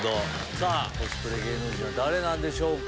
さぁコスプレ芸能人は誰なんでしょうか？